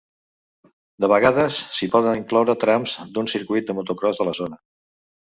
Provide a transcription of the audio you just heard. De vegades, s'hi poden incloure trams d'un circuit de motocròs de la zona.